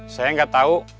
saya gak tau